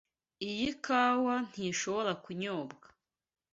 Iyi kawa ntishobora kunyobwa.